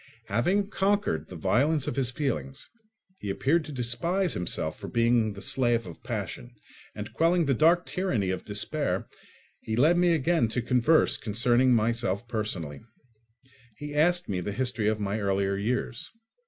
Having conquered the violence of his feelings, he appeared to despise himself for being the slave of passion; and quelling the dark tyranny of despair, he led me again to converse concerning myself personally. He asked me the history of my earlier years.